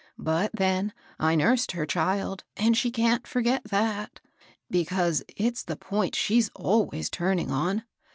But then, I nursed her child, and she can't forget that^ because it's the point she's always turning on.